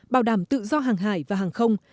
bảo đảm tự do hàng hải và hàng không